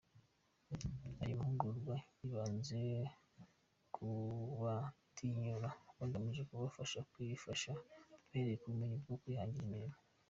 Ayo mahugurwa yibanze kukubatinyura hagamijwe kubafasha kwifasha bahereye ku bumenyi bwo kwihangira imirimo.